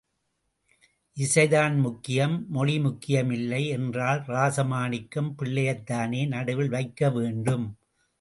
இசைதான் முக்கியம் மொழி முக்கியம் இல்லை என்றால் ராஜமாணிக்கம் பிள்ளையைத் தானே நடுவில் வைக்க வேண்டும்.